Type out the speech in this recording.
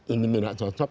ini tidak cocok